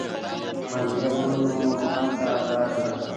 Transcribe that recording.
مازدیګر لمونځ مو هلته اداء کړ.